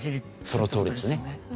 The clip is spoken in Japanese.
そのとおりですね。